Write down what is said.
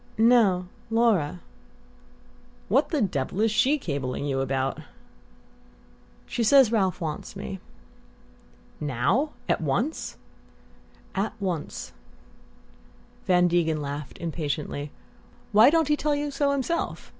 "No. Laura." "What the devil is SHE cabling you about?" "She says Ralph wants me." "Now at once?" "At once." Van Degen laughed impatiently. "Why don't he tell you so himself?